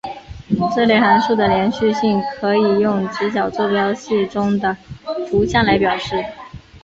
这类函数的连续性可以用直角坐标系中的图像来表示。